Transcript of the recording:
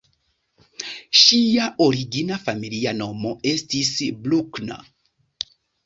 Ŝia origina familia nomo estis "Bruckner".